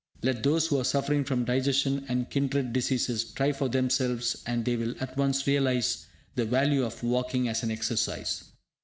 Let those who are suffering from indigestion and kindred diseases try for themselves, and they will at once realise the value of walking as an exercise.